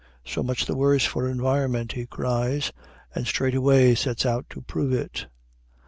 So much the worse for environment, he cries; and straightway sets out to prove it.